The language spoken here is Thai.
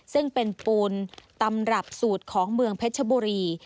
ซึ่งเป็นปูนตำรับสูตรของเมืองเพชรบุรี